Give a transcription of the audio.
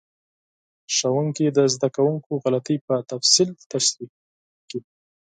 ښوونکي د زده کوونکو غلطۍ په تفصیل تشریح کړې.